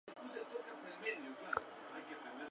Los romanos tuvieron un asentamiento a orillas del río.